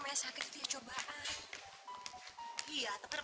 menandiri hamba ya allah